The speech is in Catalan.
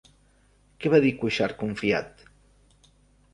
Què va dir Cuixart confiat?